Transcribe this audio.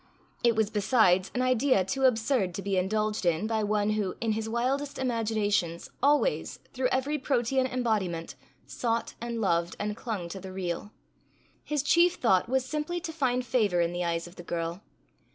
It was besides, an idea too absurd to be indulged in by one who, in his wildest imaginations, always, through every Protean embodiment, sought and loved and clung to the real. His chief thought was simply to find favour in the eyes of the girl.